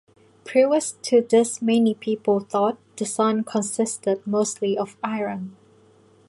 Previous to this many people thought the Sun consisted mostly of iron.